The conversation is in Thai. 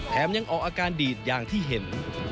ยังออกอาการดีดอย่างที่เห็น